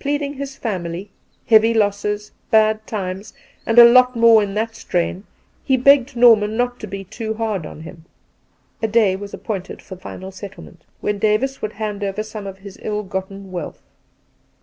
Pleading his family, heavy losses, bad times, and a lot more in that strain, he begged Norman not to be too hard on him. A day was appointed for final settlement, when Davis would hand over some of his ill gotten wealth.